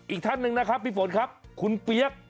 อีกท่านหนึ่งนะครับพี่ฝนครับคุณเปี๊ยก